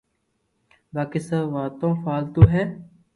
باقي سب واتو فالتو ھي